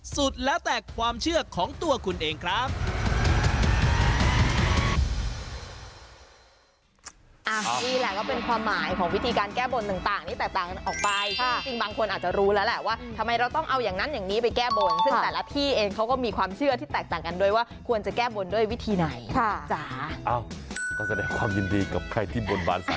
สุดแล้วแต่ความเชื่อของตัวคุณเองครับ